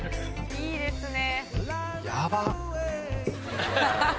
いいですね。